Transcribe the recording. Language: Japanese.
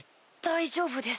大丈夫です。